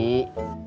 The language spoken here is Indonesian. emang ada yang patah